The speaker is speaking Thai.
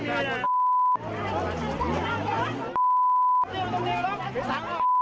โอ้โฮโอ้โฮ